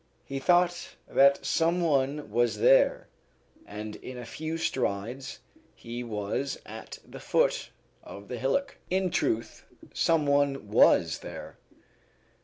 He thought that some one was there, and in a few strides he was at the foot of the hillock. In truth, some one was there.